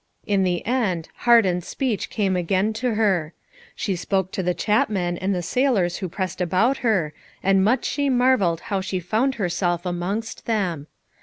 In the end, heart and speech came again to her. She spoke to the chapmen and the sailors who pressed about her, and much she marvelled how she found herself amongst them.